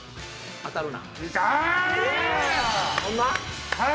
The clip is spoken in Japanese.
当てるな！